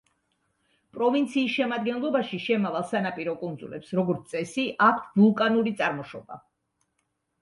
პროვინციის შემადგენლობაში შემავალ სანაპირო კუნძულებს, როგორც წესი, აქვთ ვულკანური წარმოშობა.